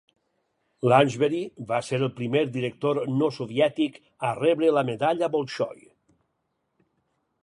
Lanchbery va ser el primer director no soviètic a rebre la Medalla Bolshoi.